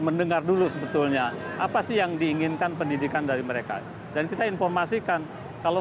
mendengar dulu sebetulnya apa sih yang diinginkan pendidikan dari mereka dan kita informasikan kalau